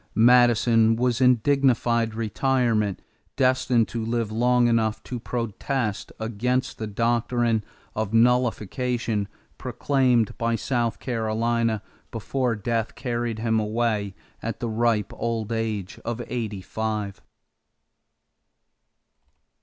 Madison was in dignified retirement, destined to live long enough to protest against the doctrine of nullification proclaimed by South Carolina before death carried him away at the ripe old age of eighty five.